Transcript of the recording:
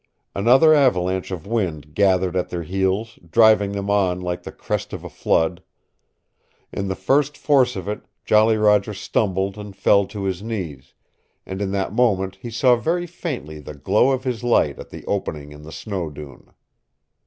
Another avalanche of wind gathered at their heels, driving them on like the crest of a flood. In the first force of it Jolly Roger stumbled and fell to his knees, and in that moment he saw very faintly the glow of his light at the opening in the snow dune.